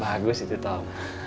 bagus itu tom